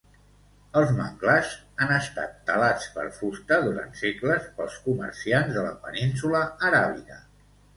Els manglars han estat talats per fusta durant segles pels comerciants de la Península Aràbiga.